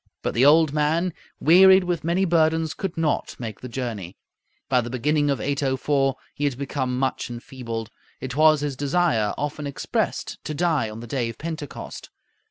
But the old man, wearied with many burdens, could not make the journey. By the beginning of 804 he had become much enfeebled. It was his desire, often expressed, to die on the day of Pentecost.